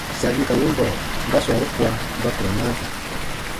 Sabi ka win bɔrɔ ba sɔɔru kua ba kurɔ naa da.